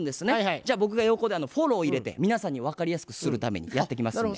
じゃあ僕が横でフォロー入れて皆さんに分かりやすくするためにやっていきますんで。